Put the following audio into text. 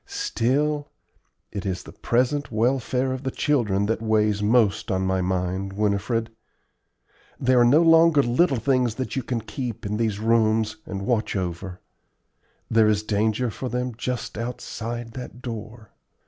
Still, it is the present welfare of the children that weighs most on my mind, Winifred. They are no longer little things that you can keep in these rooms and watch over; there is danger for them just outside that door.